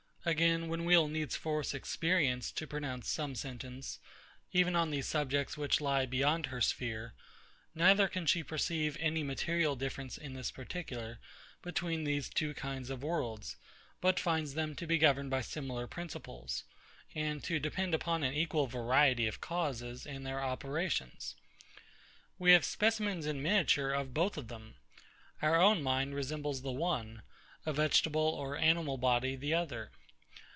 Again, when we will needs force Experience to pronounce some sentence, even on these subjects which lie beyond her sphere, neither can she perceive any material difference in this particular, between these two kinds of worlds; but finds them to be governed by similar principles, and to depend upon an equal variety of causes in their operations. We have specimens in miniature of both of them. Our own mind resembles the one; a vegetable or animal body the other.